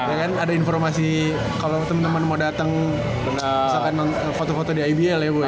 ya kan ada informasi kalau temen temen mau dateng misalkan foto foto di ibl ya boh ya